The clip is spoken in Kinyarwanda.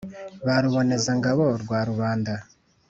ba ruboneza ngabo rwa rubanda